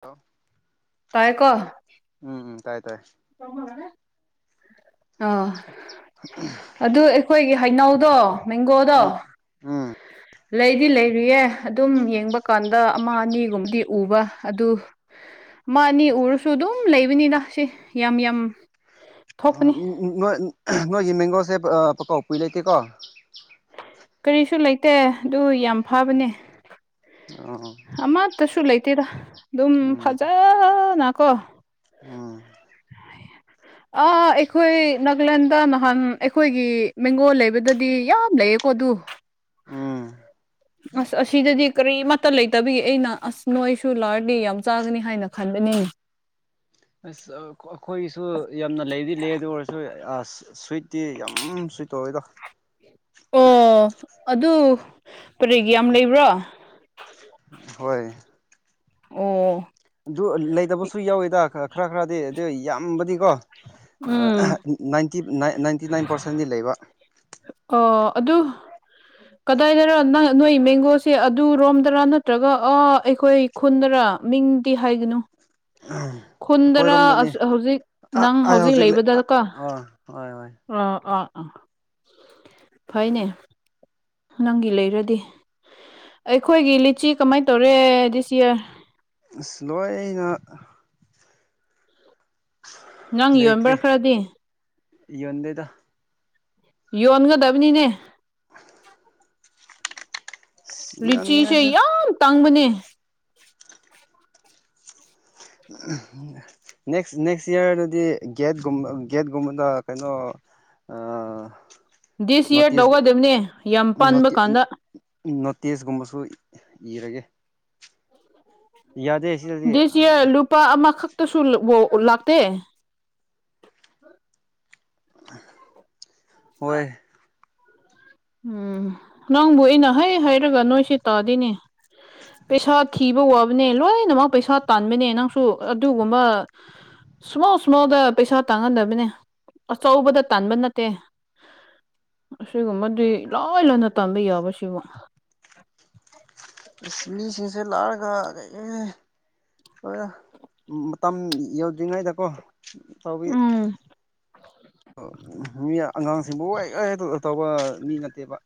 Hello ꯇꯥꯏꯌꯦꯀꯣ ꯎꯝ ꯎꯝ ꯇꯥꯏ ꯇꯥꯏ ꯑꯧ ꯑꯗꯨ ꯑꯩꯈꯣꯏꯒꯤ ꯍꯩꯅꯧꯗꯣ ꯃꯦꯡꯒꯣꯗꯣ ꯎꯝ [unintelligible] ꯂꯩꯗꯤ ꯂꯩꯔꯤꯌꯦ ꯑꯗꯨꯝ ꯌꯦꯡꯕ ꯀꯥꯟꯗ ꯑꯃ ꯑꯅꯤꯒꯨꯝꯕꯗꯤ ꯎꯕ ꯑꯗꯨ ꯑꯃ ꯑꯅꯤ ꯎꯔꯁꯨ ꯑꯗꯨꯝ ꯂꯩꯕꯅꯤꯅ ꯁꯤ ꯌꯥꯝ ꯌꯥꯝ ꯑ ꯊꯣꯛꯄꯅꯤ [unintelligible] ꯅꯣꯏ ꯅꯣꯏꯒꯤ ꯃꯦꯡꯒꯣꯁꯦ ꯄ ꯑ ꯄꯀꯥꯎ ꯄꯨꯏ ꯂꯩꯇꯦꯀꯣ ꯀꯔꯤꯁꯨ ꯂꯩꯇꯦ ꯑꯗꯨ ꯌꯥꯝ ꯐꯥꯕꯅꯦ ꯑꯣ ꯑꯃ ꯇꯁꯨ ꯂꯩꯇꯦꯗꯥ ꯑꯗꯨꯝ ꯎꯝ ꯐꯖꯅꯀꯣ ꯎꯝ ꯑꯥ ꯑꯩꯈꯣꯏ ꯅꯥꯒꯥꯂꯦꯟꯗ ꯅꯍꯥꯟ ꯑꯩꯈꯣꯏꯒꯤ ꯃꯦꯡꯒꯣ ꯂꯩꯕꯗꯗꯤ ꯌꯥꯝ ꯂꯩꯌꯦ ꯀꯣ ꯑꯗꯨ ꯎꯝ ꯑꯁ ꯁꯤꯗꯗꯤ ꯀꯔꯤꯃꯠꯇ ꯂꯩꯇꯕꯒꯤ ꯑꯩꯅ ꯑꯁ ꯅꯣꯏꯁꯨ ꯂꯥꯛꯑꯗꯤ ꯌꯥꯝ ꯆꯥꯒꯅꯤ ꯍꯥꯏꯅ ꯈꯟꯕꯅꯤ ꯑꯁ ꯑꯩꯈꯣꯏꯒꯤꯁꯨ ꯌꯥꯝꯅ ꯂꯩꯕꯗꯤ ꯂꯩ ꯑꯗꯨ ꯑꯣꯏꯔꯁꯨ ꯑꯥ ꯁ꯭ꯨꯋꯤꯠ ꯇꯤ ꯌꯥꯝ ꯁꯨ꯭ꯋꯤꯠ ꯇꯧꯋꯦꯗ ꯑꯣ ꯑꯗꯨ ꯀꯔꯤꯒꯤ ꯌꯥꯝ ꯂꯩꯕ꯭ꯔꯥ ꯍꯣꯏ ꯑꯣ ꯑꯗꯨ ꯂꯩꯇꯕꯁꯨ ꯌꯥꯎꯋꯦꯗ ꯈꯔ ꯈꯔꯗꯤ ꯑꯗꯨ ꯌꯥꯝꯕꯗꯤꯀꯣ ꯎꯝ ꯅꯥꯢꯟ ꯅꯥꯏꯟꯇꯤ ꯅꯥꯏꯟ ꯄꯥꯔꯁꯦꯟꯗꯤ ꯂꯩꯕ ꯑꯣ ꯑꯗꯨ ꯀꯗꯥꯏꯗꯔ ꯅꯪ ꯅꯣꯏ ꯃꯦꯡꯒꯣꯁꯦ ꯑꯗꯨꯔꯣꯝꯗꯔꯥ ꯅꯠꯇ꯭ꯔꯒ ꯑꯥ ꯑꯩꯈꯣꯏ ꯈꯨꯟꯗꯔ ꯃꯤꯡꯗꯤ ꯍꯥꯏꯒꯅꯨ ꯎꯝ ꯈꯨꯟꯗꯔꯥ ꯍꯧꯖꯤꯛ ꯅꯪ ꯑꯩ ꯍꯧꯖꯤꯛ ꯂꯩꯕꯗꯣ ꯀꯣ ꯑꯥ ꯍꯣꯏ ꯍꯣꯏ ꯑꯥ ꯑꯥ ꯑꯥ ꯐꯩꯅꯦ ꯅꯪꯒꯤ ꯂꯩꯔꯗꯤ ꯑꯩꯈꯣꯏꯒꯤ ꯂꯤꯆꯤ ꯀꯃꯥꯏꯅ ꯇꯧꯔꯦ ꯗꯤꯁꯌꯥꯔ ꯑꯁ ꯂꯣꯏꯅ ꯅꯪ ꯂꯩꯇ꯭ꯔꯦ ꯌꯣꯟꯕ꯭ꯔꯥ ꯈꯔꯗꯤ ꯌꯣꯟꯗꯦꯗ ꯌꯣꯟꯒꯗꯕꯅꯤꯅꯦ ꯑ [inaudible] ꯂꯤꯆꯤꯁꯦ ꯌꯣꯟꯅꯤꯡꯉꯥꯏꯁꯨ ꯌꯥꯝ ꯇꯥꯡꯕꯅꯦ ꯎ [inaudible] ꯅꯦꯛꯁ ꯅꯦꯛꯁ ꯏꯌꯥꯔꯗꯗꯤ ꯒꯦꯠꯒꯨꯝꯕ ꯒꯦꯠꯒꯨꯝꯕꯗ ꯀꯩꯅꯣ ꯑꯥ ꯗꯤꯁ ꯌꯔ ꯇꯧꯒꯗꯕꯅꯦ ꯌꯥꯝ ꯄꯥꯟꯕꯒꯥꯟꯗ ꯅꯣꯇꯤꯁꯒꯨꯝꯕꯁꯨ ꯏꯔꯒꯦ ꯌꯥꯗꯦ ꯁꯤꯗꯗꯤ ꯗꯤꯁ ꯌꯔ ꯂꯨꯄꯥ ꯑꯃꯈꯛꯇꯁꯨ ꯂꯥꯛꯇꯦ ꯍꯣꯏ ꯎꯝ ꯅꯪꯕꯨ ꯑꯩꯅ ꯍꯥꯢ ꯍꯥꯢ ꯍꯥꯏꯔꯒ ꯅꯣꯏꯁꯤ ꯇꯥꯗꯦꯅꯦ ꯄꯩꯁꯥ ꯊꯤꯕ ꯋꯥꯕꯅꯦ ꯂꯣꯏꯅꯃꯛ ꯄꯩꯁꯥ ꯇꯥꯟꯕꯅꯦ ꯅꯪꯁꯨ ꯑꯗꯨꯒꯨꯝꯕ ꯁꯨꯃꯥꯎ ꯁꯨꯃꯥꯎꯗ ꯄꯩꯁꯥ ꯇꯥꯟꯒꯗꯕꯅꯦ ꯑꯆꯧꯕꯗ ꯇꯥꯟꯕ ꯅꯠꯇꯦ ꯑꯁꯤꯒꯨꯝꯕꯗꯤ ꯂꯣꯏ ꯂꯣꯏꯅ ꯇꯥꯟꯕ ꯌꯥꯕꯁꯤꯕꯨ ꯃꯤꯁꯤꯡꯁꯦ ꯂꯥꯛꯔꯒ ꯂꯩꯔꯦ ꯍꯣꯏ ꯃꯇꯝ ꯌꯧꯗ꯭ꯔꯤꯉꯩꯗꯀꯣ ꯇꯧꯕꯤ ꯎꯝ ꯃꯤ ꯑꯉꯥꯡꯁꯤꯡꯕꯨ ꯋꯣꯢ ꯋꯣꯢ ꯇꯧꯕ ꯃꯤ ꯅꯠꯇꯦꯕ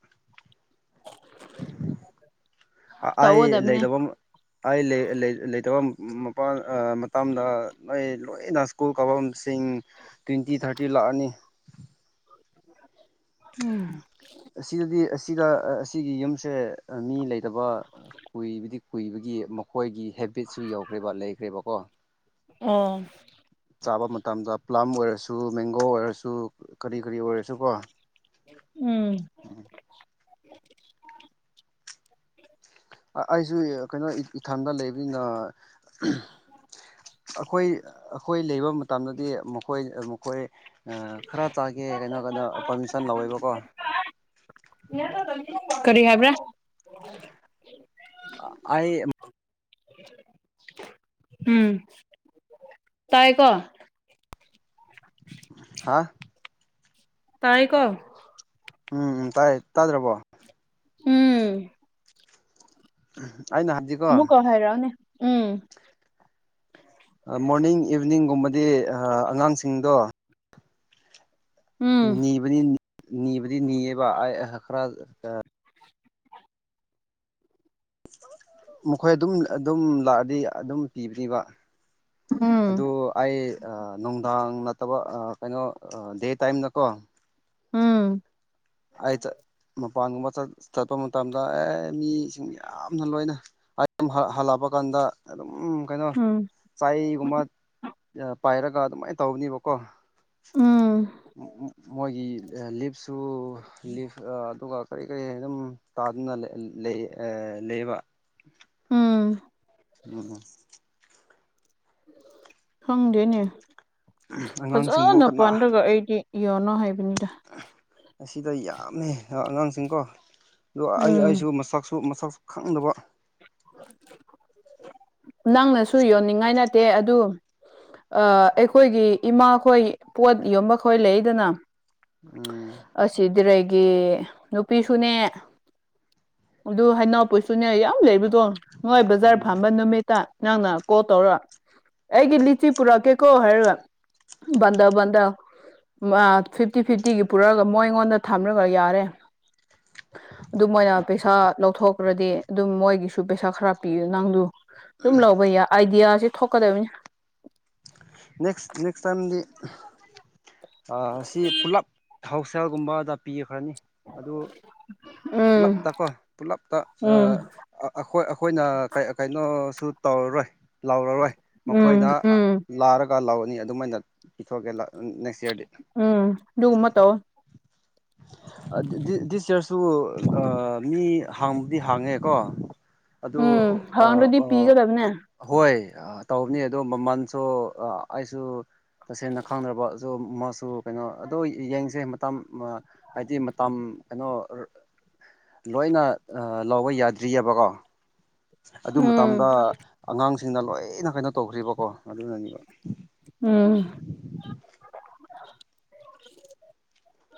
ꯑꯩ ꯇꯧꯒꯗꯕꯅꯦ ꯂꯩꯇꯕ ꯑꯩ ꯂꯩꯇꯕ ꯃꯄꯥꯥꯟ ꯃꯇꯝꯗ ꯂꯣꯏ ꯂꯣꯏꯅ ꯁ꯭ꯀꯨꯜ ꯀꯥꯐꯝꯁꯤꯡ ꯇ꯭ꯋꯦꯟꯇꯤ ꯊꯥꯔꯇꯤ ꯂꯥꯛꯑꯅꯤ [unintelligible] ꯎꯝ ꯑꯁꯤꯗꯗꯤ ꯑꯁꯤꯗ ꯑꯁꯤꯒꯤ ꯌꯨꯝꯁꯦ ꯃꯤ ꯂꯩꯇꯕ ꯀꯨꯏꯕꯗꯤ ꯀꯨꯏꯕꯒꯤ ꯃꯈꯣꯏꯒꯤ ꯍꯦꯕꯤꯠꯁꯨ ꯌꯧꯈ꯭ꯔꯦꯕ ꯂꯩꯈ꯭ꯔꯦꯕꯀꯣ ꯑꯣ ꯆꯥꯕ ꯃꯇꯝꯗ ꯄꯂꯝ ꯑꯣꯏꯔꯁꯨ ꯃꯦꯡꯒꯣ ꯑꯣꯏꯔꯁꯨ ꯀꯔꯤ ꯀꯔꯤ ꯑꯣꯏꯔꯁꯨ ꯀꯣ ꯎꯝ ꯎꯝ ꯑꯩꯁꯨ ꯀꯩꯅꯣ ꯏꯊꯟꯗ ꯂꯩꯕꯅꯤꯅ ꯑꯩꯈꯣꯏ ꯑꯩꯈꯣꯏ ꯂꯩꯕ ꯃꯇꯝꯗꯗꯤ ꯃꯈꯣꯏ ꯃꯈꯣꯏ ꯈꯔ ꯆꯥꯒꯦ ꯍꯥꯏꯅ ꯀꯥꯟꯗ ꯄꯔꯃꯤꯁꯟ ꯂꯧꯋꯦꯕꯀꯣ ꯀꯔꯤ ꯍꯥꯏꯕ꯭ꯔꯥ [unintelligible] ꯎꯝ ꯇꯥꯏꯀꯣ ꯍꯥ ꯇꯥꯏ ꯀꯣ ꯎꯝ ꯎꯝ ꯇꯥꯏꯌꯦ ꯇꯥꯗ꯭ꯔꯕꯣ ꯎꯝ ꯑꯩꯅ ꯍꯥꯏꯕꯗꯤ ꯑꯥꯥꯃꯨꯀ ꯍꯥꯏꯔꯥꯎꯅꯦ ꯎꯝ ꯃꯣꯔꯅꯤꯡ ꯏꯚꯤꯅꯤꯡꯒꯨꯝꯕꯗꯤ ꯑꯉꯥꯡꯁꯤꯡꯗꯣ ꯎꯝ ꯅꯤꯕꯗꯤ ꯅꯤꯕꯗꯤ ꯅꯤꯌꯦꯕ [unintelligible] ꯃꯈꯣꯏ ꯑꯗꯨꯝ ꯑꯗꯨꯝ ꯂꯥꯛꯑꯗꯤ ꯑꯗꯨꯝ ꯄꯤꯕꯤ꯭ꯔꯤꯕ ꯎꯝ ꯑꯗꯨ ꯑꯩ ꯅꯨꯡꯗꯥꯡ ꯅꯠꯇꯕ ꯀꯩꯅꯣ ꯗꯦ ꯇꯥꯏꯝꯗꯀꯣ ꯎꯝ [unintelligible] ꯃꯄꯥꯟꯒꯨꯝꯕ ꯆꯠꯄ ꯃꯇꯝꯗ ꯑꯦ ꯃꯤꯁꯤꯡ ꯌꯥꯝꯅ ꯂꯣꯏꯅ [unintelligible] ꯍꯜꯂꯛꯄ ꯀꯥꯟꯗ ꯑꯗꯨꯝ ꯀꯩꯅꯣ ꯎꯝ ꯆꯥꯏꯒꯨꯝꯕ ꯄꯥꯏꯔꯒ ꯑꯗꯨꯃꯥꯏꯅ ꯇꯧꯕꯅꯦꯕꯀꯣ ꯎꯝ ꯃꯣꯏꯒꯤ ꯂꯤꯞꯁꯨ ꯂꯤꯞ ꯑꯗꯨꯒ ꯀꯔꯤ ꯀꯔꯤ ꯑꯗꯨꯝ [unintelligible] ꯎꯝ [unintelligible] ꯈꯪꯗꯦꯅꯦ ꯑꯉꯥꯡꯁꯤꯡꯕꯨ ꯐꯖꯅ ꯀꯅꯥ ꯄꯥꯟꯗ꯭ꯔꯒ ꯑꯩꯗꯤ [unintelligible] ꯍꯥꯏꯕꯅꯤꯗ ꯑꯁꯤꯗ ꯌꯥꯝꯃꯦ ꯑꯉꯥꯡꯁꯤꯡꯀꯣ ꯑ ꯎꯝ [unintelligible] ꯃꯁꯛꯁꯨ ꯃꯁꯛꯁꯨ ꯈꯪꯗꯕ [unintelligible] ꯅꯪꯅꯁꯨ ꯌꯣꯟꯅꯤꯡꯉꯥꯏ ꯅꯠꯇꯦ ꯑꯗꯨ ꯑꯩꯈꯣꯏꯒꯤ ꯏꯃꯥꯈꯣꯏ ꯄꯣꯠ ꯌꯣꯟꯕ ꯈꯣꯏ ꯂꯩꯗꯅ ꯎꯝ [unintelligible] ꯅꯨꯄꯤꯁꯨꯅꯦ ꯑꯗꯨ [unintelligible] ꯄꯨꯁꯨꯅꯦ ꯌꯥꯝ ꯂꯩꯕꯗꯣ ꯅꯣꯏ ꯕꯖꯥꯔ ꯎꯝ ꯐꯥꯝꯕ ꯅꯨꯃꯤꯠꯇ ꯅꯪꯅ ꯀꯣꯜ ꯇꯧꯔ ꯑꯩꯒꯤ ꯂꯤꯆꯤ ꯄꯨꯔꯛꯀꯦꯀꯣ ꯍꯥꯏꯔꯒ [unintelligible] ꯐꯤꯞꯇꯤ ꯐꯤꯞꯇꯤꯒꯤ ꯄꯨꯔꯛꯑꯒ ꯃꯣꯏ ꯑꯩꯉꯣꯟꯗ ꯊꯝꯂꯒ ꯌꯥꯔꯦ ꯑꯗꯨ ꯃꯣꯏꯅ ꯄꯩꯁꯥ ꯂꯧꯊꯣꯛꯈ꯭ꯔꯗꯤ ꯑꯗꯨꯝ ꯃꯣꯏꯒꯤꯁꯨ ꯄꯩꯁꯥ ꯈꯔ ꯄꯤꯌꯨ ꯅꯪꯗꯨ ꯑꯗꯨꯝ ꯂꯧꯕ ꯌꯥꯏ ꯑꯥꯏꯗꯤꯌꯥꯁꯦ ꯊꯣꯛꯀꯗꯕꯅꯤ ꯅꯦꯛꯁ ꯅꯦꯛꯁ ꯇꯥꯏꯝꯗꯤ ꯑꯥ ꯁꯤ ꯄꯨꯂꯞ ꯊꯧꯁꯦꯜꯒꯨꯝꯕꯗ ꯄꯤꯈ꯭ꯔꯅꯤ ꯑꯗꯨ ꯎꯝ ꯄꯨꯂꯞꯇ ꯀꯣ ꯄꯨꯂꯞꯇ ꯎꯝ ꯑꯩꯈꯣꯏ ꯑꯩꯈꯣꯏꯅ ꯀꯩꯅꯣꯁꯨ ꯇꯧꯔꯔꯣꯏ ꯂꯥꯎꯔꯔꯣꯏ ꯎꯝ ꯃꯈꯣꯏꯅ ꯎꯝ ꯂꯥꯔꯒ ꯂꯧꯔꯅꯤ ꯑꯗꯨꯃꯥꯏꯅ ꯄꯤꯊꯣꯛꯑꯒꯦ ꯅꯦꯛꯁ ꯏꯌꯥꯔꯗꯤ ꯎꯝ ꯑꯗꯨꯒꯨꯝꯕ ꯇꯧ [inaudible] ꯗꯤꯁ ꯗꯤꯁ ꯏꯌꯔꯁꯨ ꯃꯤ ꯍꯥꯡꯕꯗꯤ ꯍꯥꯡꯉꯦꯀꯣ ꯑꯗꯨ ꯍꯥꯡꯔꯗꯤ ꯄꯤꯒꯗꯕꯅꯦ ꯍꯣꯏ ꯇꯧꯕꯅꯤ ꯑꯗꯣ ꯃꯃꯜ ꯗꯣ ꯑꯩꯁꯨ ꯇꯁꯦꯡꯅ ꯈꯪꯗ꯭ꯔꯕꯁꯨ ꯃꯁꯨ ꯀꯩꯅꯣ ꯑꯗꯣ ꯌꯦꯡꯁꯦ ꯃꯇꯝ ꯍꯥꯏꯗꯤ ꯃꯇꯝ ꯀꯩꯅꯣ ꯂꯣꯏꯅ ꯂꯧꯕ ꯌꯥꯗ꯭ꯔꯤꯑꯕꯀꯣ ꯑꯗꯨ ꯎꯝ ꯃꯇꯝꯗ ꯑꯉꯥꯡꯁꯤꯡꯅ ꯂꯣꯏꯅ ꯀꯩꯅꯣ ꯇꯧꯈ꯭ꯔꯤꯕꯀꯣ ꯑꯗꯨꯅꯅꯦꯕ ꯎꯝ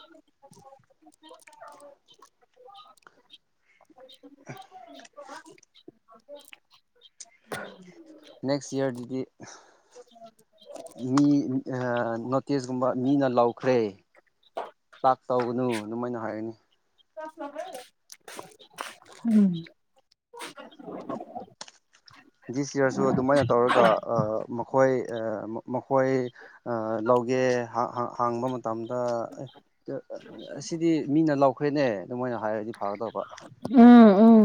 [inaudible] [inaudible] [inaudible] ꯅꯦꯛꯁ ꯏꯌꯥꯔꯗꯗꯤ ꯃꯤ ꯅꯣꯇꯦꯤꯁꯀꯨꯝꯕ ꯃꯤꯅ ꯂꯧꯈ꯭ꯔꯦ꯫ ꯇꯥꯠ ꯇꯧꯒꯅꯨ ꯑꯗꯨꯃꯥꯏꯅ ꯍꯥꯏꯔꯅꯤ ꯆꯥꯛ [unintelligible] ꯎꯝ ꯗꯤꯁ ꯏꯌꯥꯔꯁꯨ ꯑꯗꯨꯃꯥꯏꯅ ꯇꯧꯔꯒ ꯃꯈꯣꯏ ꯃꯈꯣꯏ ꯑ ꯂꯧꯒꯦ ꯍꯥ ꯍꯥ ꯍꯥꯡꯕ ꯃꯇꯝꯗ ꯑꯦ ꯑꯁꯤꯗꯤ ꯃꯤꯅ ꯂꯧꯥꯎꯈ꯭ꯔꯦꯅꯦ ꯑꯗꯨ ꯃꯥꯏꯅ ꯍꯥꯏꯔꯗꯤ ꯐꯥꯒꯗꯧꯕ ꯎꯝ ꯎꯝ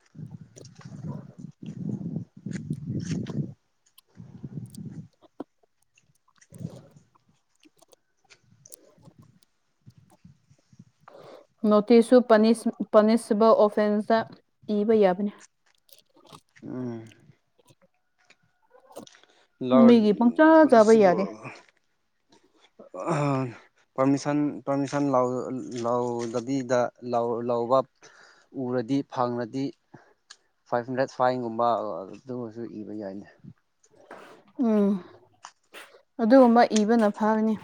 [inaudible] [inaudible] [inaudible] ꯅꯣꯇꯤꯁꯁꯨ ꯄꯥꯅꯤꯁ ꯄꯥꯅꯤꯁꯤꯕꯜ ꯑꯣꯐꯦꯟꯁꯇ ꯏꯕ ꯌꯥꯕꯅꯤ ꯎꯝ ꯂꯣ ꯃꯤꯒꯤ ꯄꯪꯆꯥ ꯆꯥꯕ ꯄꯣꯂꯤꯁꯤꯕꯨ ꯌꯥꯗꯦ ꯄꯔꯃꯤꯁꯟ ꯄꯔꯃꯤꯁꯟ‌ ꯂꯧ ꯂꯧꯗꯕꯤꯗ ꯂꯧꯕ ꯎꯔꯗꯤ ꯐꯪꯉꯗꯤ ꯐꯥꯏꯚ ꯍꯟꯗ꯭ꯔꯦꯠ ꯐꯥꯏꯟꯒꯨꯝꯕ ꯑꯗꯨꯃꯁꯨ ꯏꯕ ꯌꯥꯏꯅꯦ ꯎꯝ ꯑꯗꯨꯒꯨꯝꯕ ꯏꯕꯅ ꯐꯥꯒꯅꯤ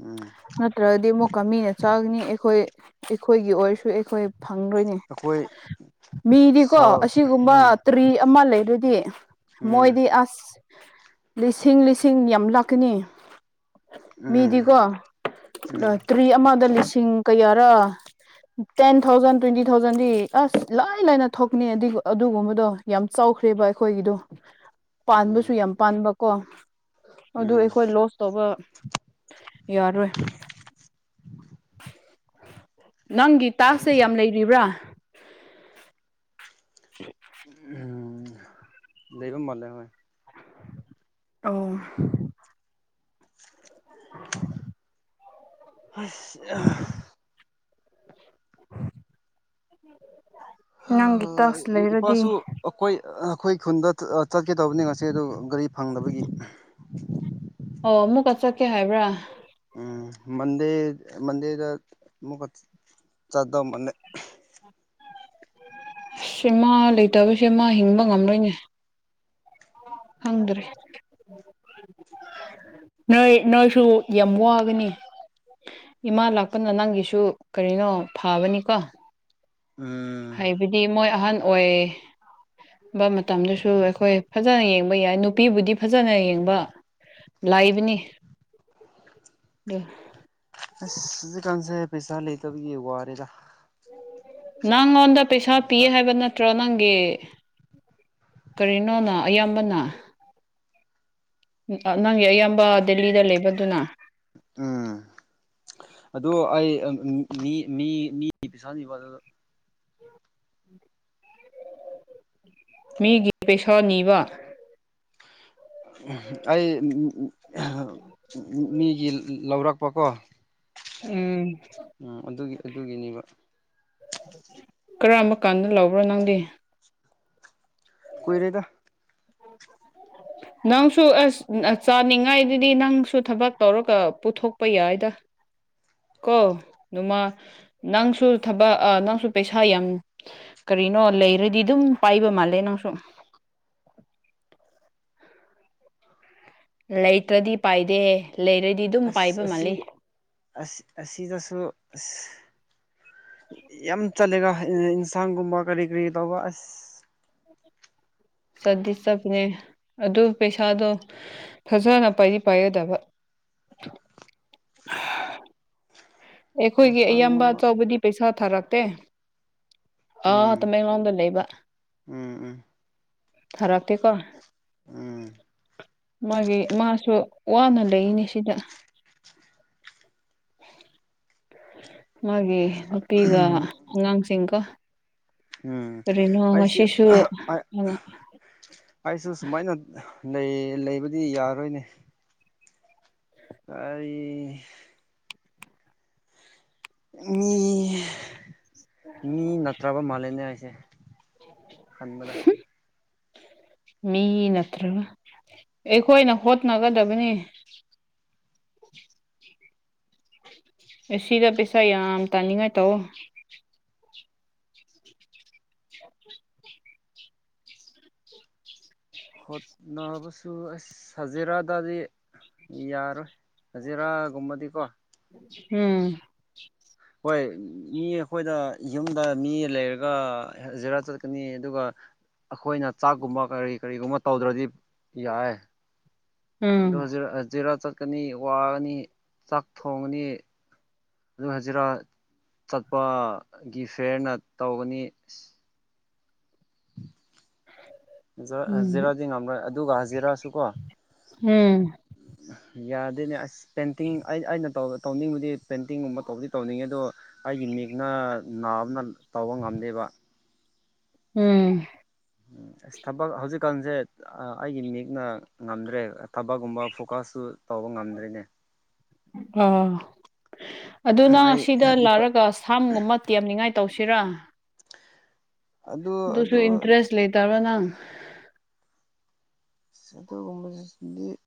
ꯎꯝ ꯅꯠꯇ꯭ꯔꯒꯗꯤ ꯑꯃꯨꯛ ꯀꯥ ꯃꯤꯅ ꯆꯥꯒꯅꯤ ꯑꯩꯈꯣꯏ ꯑꯩꯈꯣꯏꯒꯤ ꯑꯣꯏꯔꯁꯨ ꯑꯩꯈꯣꯏ ꯐꯪꯂꯣꯏꯅꯦ ꯑꯩꯈꯣꯏ ꯃꯤꯗꯤꯀꯣ ꯁꯥꯎꯠ ꯑꯁꯤꯒꯨꯝꯕ ꯎꯝ ꯇꯔꯤ ꯑꯃ ꯂꯩꯔꯗꯤ ꯎꯝ ꯃꯣꯏꯗꯤ ꯑꯁ ꯂꯤꯁꯤꯡ ꯂꯤꯁꯤꯡ ꯌꯥꯝ ꯂꯥꯛꯀꯅꯤ ꯎꯝ ꯃꯤꯗꯤꯀꯣ ꯇꯨꯔꯤ ꯑꯃꯗ ꯂꯤꯁꯤꯡ ꯀꯌꯥꯔꯥ? ꯇꯦꯟ ꯊꯥꯎꯖꯟ ꯇ꯭ꯋꯦꯟꯇꯤ ꯊꯥꯎꯖꯟꯗꯤ ꯑꯁ ꯂꯥꯏ ꯂꯥꯏꯅ ꯊꯣꯛꯅꯤ ꯑꯗꯨꯒꯨꯝꯕꯗꯣ ꯌꯥꯝ ꯆꯥꯎꯈ꯭ꯔꯦꯕ ꯑꯩꯈꯣꯏꯒꯤꯗꯣ [inaudible] ꯄꯥꯟꯕꯁꯨ ꯌꯥꯝ ꯄꯥꯟꯕ ꯀꯣ ꯑꯗꯨ ꯎꯝ ꯑꯩꯈꯣꯏ ꯂꯣꯁ ꯇꯧꯕ ꯌꯥꯔꯣꯏ ꯅꯪꯒꯤ ꯇꯥꯛꯁꯁꯦ ꯎꯝ ꯌꯥꯝ ꯂꯩꯔꯤꯕ꯭ꯔꯥ [unintelligible] ꯎꯝ ꯂꯩꯕ ꯃꯥꯜꯂꯦ ꯍꯣꯏ ꯑꯣ ꯑꯁ ꯑꯥ ꯍꯥ ꯅꯪꯒꯤ ꯇꯥꯛꯁ ꯂꯩꯔꯗꯤ ꯏꯄꯥꯁꯨ ꯑꯩꯈꯣꯏ ꯑꯩꯈꯣꯏ ꯈꯨꯟꯗ ꯆꯠꯀꯦ ꯇꯧꯕꯅꯤ ꯉꯁꯤ ꯑꯗꯨ ꯒꯥꯔꯤ ꯐꯪꯗꯕꯒꯤ ꯑꯣ ꯑꯃꯨꯛꯀ ꯆꯠꯀꯦ ꯍꯥꯏꯕ꯭ꯔꯥ ꯎꯝ ꯃꯟꯗꯦ ꯃꯟꯗꯦꯗ ꯑꯃꯨꯛꯀ ꯆꯠꯇꯧꯃꯥꯜꯂꯦ ꯁꯤ ꯃꯥ ꯂꯩꯇꯕꯁꯦ ꯃꯥ ꯍꯤꯡꯕ ꯉꯝꯂꯣꯏꯅꯦ ꯈꯪꯗ꯭ꯔꯦ ꯅꯣꯏ ꯅꯣꯏꯁꯨ ꯌꯥꯝ ꯋꯥꯒꯅꯤ ꯏꯃꯥ ꯂꯥꯛꯄꯅ ꯅꯪꯒꯤꯁꯨ ꯀꯔꯤꯅꯣ ꯐꯕꯅꯤꯀꯣ ꯎꯝ ꯍꯥꯏꯕꯗꯤ ꯃꯣꯏ ꯑꯍꯟ ꯑꯣꯏ ꯕ ꯃꯇꯝꯗꯨꯁꯨ ꯑꯩꯈꯣꯏ ꯐꯖꯅ ꯌꯦꯡꯕ ꯌꯥꯏ ꯅꯨꯄꯤꯕꯨꯗꯤ ꯐꯖꯅ ꯌꯦꯡꯕ ꯂꯥꯏꯕꯅꯤ [unintelligible] ꯑꯁ ꯍꯧꯖꯤꯛꯀꯥꯟꯁꯦ ꯄꯩꯁꯥ ꯂꯩꯇꯕꯤꯒꯤ ꯋꯥꯔꯦꯗ ꯅꯪꯉꯣꯟꯗ ꯄꯩꯁꯥ ꯄꯤꯌꯦ ꯍꯥꯏꯕ ꯅꯠ ꯇ꯭ꯔꯣ ꯅꯪꯒꯤ ꯀꯔꯤꯅꯣꯅ ꯏꯌꯥꯝꯕꯅ ꯅꯪꯒꯤ ꯑꯌꯥꯝꯕ ꯗꯦꯜꯂꯤꯗ ꯂꯩꯕꯗꯨꯅ ꯎꯝ ꯑꯗꯨ ꯑꯩ ꯃꯤ ꯃꯤ ꯃꯤ ꯄꯩꯁꯥ [unintelligible] ꯕ ꯑꯗꯨꯗ ꯃꯤꯒꯤ ꯄꯩꯁꯥ ꯅꯤꯕ ꯑꯩ [unintelligible] ꯃꯤꯒꯤ ꯂꯧꯔꯛꯄ ꯀꯣ ꯎꯝ ꯎꯝ ꯑꯗꯨꯒꯤ ꯑꯗꯨꯒꯤꯅꯦꯕ ꯀꯔꯝꯕ ꯀꯥꯟꯗ ꯂꯧꯕ꯭ꯔꯥ ꯅꯪꯗꯤ [inaudible] ꯀꯨꯏꯔꯦꯗ [unintelligible] ꯅꯪꯁꯨ ꯑꯁ ꯆꯥꯅꯤꯡꯉꯥꯏꯗꯨꯗꯤ ꯅꯪꯁꯨ ꯊꯕꯛ ꯇꯧꯔꯒ ꯄꯨꯊꯣꯛꯄ ꯌꯥꯏꯗ ꯀꯣ ꯑꯗꯨꯃ ꯅꯪꯁꯨ ꯊꯕꯛ ꯑꯥ ꯅꯪꯁꯨ ꯄꯩꯁꯥ ꯌꯥꯝ ꯀꯔꯤꯅꯣ ꯂꯩꯔꯗꯤ ꯑꯗꯨꯝ ꯄꯥꯏꯕ ꯃꯥꯜꯂꯦ ꯅꯪꯁꯨ ꯂꯩꯇ꯭ꯔꯗꯤ ꯄꯥꯏꯗꯦ ꯂꯩꯔ ꯑꯁ ꯑꯁꯤ ꯑꯁ ꯑꯁꯤꯗꯁꯨ ꯑꯁ ꯌꯥꯝ ꯆꯠꯂꯦꯒ ꯏꯟꯁꯥꯡꯒꯨꯝꯕ ꯀꯔꯤ ꯀꯔꯤ ꯇꯧꯕ ꯑꯁ ꯆꯠꯗꯤ ꯆꯠꯄꯅꯦ ꯑꯗꯨ ꯄꯩꯁꯥꯗꯣ ꯐꯖꯅ ꯄꯥꯏꯗꯤ ꯄꯥꯏꯒꯗꯕ ꯑꯩꯈꯣꯏꯒꯤ ꯑꯌꯥꯝꯕ ꯏꯟꯁꯥꯡꯒꯨꯝꯕ ꯑꯆꯧꯕꯗꯤ ꯄꯩꯁꯥ ꯊꯥꯔꯛꯇꯦ ꯑꯥ ꯎꯝ ꯇꯃꯦꯡꯂꯣꯡꯗ ꯂꯩꯕ ꯎꯝ ꯊꯥꯔꯛꯇꯦꯀꯣ ꯎꯝ ꯃꯥꯒꯤ ꯃꯥꯁꯨ ꯋꯥꯅ ꯂꯩꯅꯤ ꯁꯤꯗ ꯃꯥꯒꯤ ꯅꯨꯄꯤꯒ ꯎꯝ ꯑꯉꯥꯡꯁꯤꯡꯀꯣ ꯎꯝ ꯑꯩꯁꯤ ꯑ ꯑꯩꯁꯨ ꯁꯨꯃꯥꯏꯅ ꯂꯩ ꯂꯩꯕꯗꯤ ꯌꯥꯔꯣꯏꯅꯦ ꯑꯩ ꯃꯤ ꯃꯤ ꯅꯠꯇ꯭ꯔꯕ ꯃꯥꯜꯂꯦꯅꯦ ꯑꯩꯁꯦ ꯈꯟꯕꯗ ꯃꯤ ꯅꯠꯇ꯭ꯔꯒ ꯑꯩꯈꯣꯏꯅ ꯍꯣꯠꯅꯒꯗꯕꯅꯤ ꯑꯁꯤꯗ ꯄꯩꯁꯥ ꯌꯥꯝ ꯇꯥꯅꯤꯡꯉꯥꯏ ꯇꯧꯑꯣ ꯍꯣꯠꯅꯕꯁꯨ ꯑꯁ ꯍꯖꯤꯔꯥꯗꯗꯤ ꯌꯥꯔꯣꯏ ꯍꯖꯤꯔꯥꯒꯨꯝꯕꯗꯤꯀꯣ ꯎꯝ ꯍꯣꯏ ꯃꯤ ꯑꯩꯈꯣꯏꯗ ꯌꯨꯝꯗ ꯃꯤ ꯂꯩꯔꯒ ꯍꯖꯤꯔꯥ ꯆꯠꯀꯅꯤ ꯑꯗꯨꯒ ꯑꯈꯣꯏꯅ ꯆꯥꯛꯀꯨꯝꯕ ꯀꯔꯤ ꯀꯔꯤꯒꯨꯝꯕ ꯇꯧꯗ꯭ꯔꯗꯤ ꯌꯥꯏꯌꯦ ꯎꯝ ꯑꯗꯣ ꯍꯖꯤꯔꯥ ꯍꯖꯤꯔꯥ ꯆꯠꯀꯅꯤ ꯋꯥꯒꯅꯤ ꯆꯥꯛ ꯊꯣꯡꯉꯅꯤ ꯑꯗꯨ ꯍꯖꯤꯔꯥ ꯆꯠꯄꯒꯤ ꯐꯤꯌꯔꯅ ꯇꯧꯒꯅꯤ ꯍꯖꯥ ꯎꯝ ꯍꯖꯤꯔꯥꯗꯤ ꯉꯝꯔꯣꯏ ꯑꯗꯨꯒ ꯍꯖꯤꯔꯥꯁꯨ ꯀꯣ ꯎꯝ ꯌꯥꯗꯦꯅꯦ ꯑꯁ ꯄꯦꯟꯇꯤꯡ ꯑꯩ ꯑꯩꯅ ꯇꯧꯕ ꯇꯧꯅꯤꯡꯕꯗꯤ ꯄꯦꯟꯇꯤꯡꯒꯨꯝꯕ ꯇꯧꯕꯗꯤ ꯇꯧꯅꯤꯡꯉꯦ ꯑꯗꯣ ꯑꯩꯒꯤ ꯃꯤꯛꯅ ꯅꯥꯕꯅ ꯇꯧꯕ ꯉꯝꯗꯦꯕ ꯎꯝ ꯎꯝ ꯑꯁ ꯊꯕꯛ ꯍꯧꯖꯤꯛꯀꯥꯟꯁꯦ ꯑꯩꯒꯤ ꯃꯤꯌꯦꯛꯅ ꯉꯝꯗ꯭ꯔꯦ ꯊꯕꯛꯀꯨꯝꯕ ꯐꯣꯀꯁꯁꯨ ꯇꯧꯕ ꯉꯝꯗ꯭ꯔꯤꯅꯦ [inaudible] ꯑ ꯑꯗꯨꯅꯪ ꯑꯩ ꯑꯁꯤꯗ ꯂꯥꯛꯔꯒ ꯑꯝꯒꯨꯝ ꯑꯃ ꯇꯦꯝꯅꯤꯡꯉꯥꯏ ꯇꯧꯁꯤꯔꯥ ꯑꯗꯨ ꯑꯗꯨꯁꯨ ꯑꯗꯨ ꯏꯟꯇꯔꯦꯁ ꯂꯩꯇꯕꯣ ꯅꯪ ꯢꯁ ꯑꯗꯨꯒꯨꯝꯕꯁꯤꯗꯤ